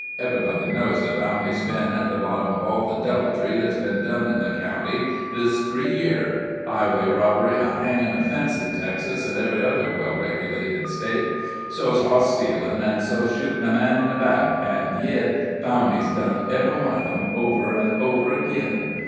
Everybody knows that Bowney's been at the bottom of all the deviltry that's been done in the county this three year. Highway robbery's a hangin' offense in Texas an' every other well regilated State; so's hoss stealin', an' so's shootin' a man in the back, an' yit Bowney's done ev'ry one of 'em over an' over agin.